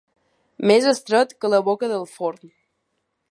Més estret que la boca del forn.